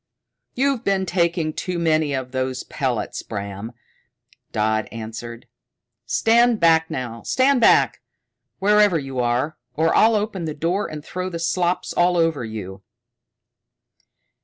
"You've been taking too many of those pellets, Bram," Dodd answered. "Stand back now! Stand back, wherever you are, or I'll open the door and throw the slops over you."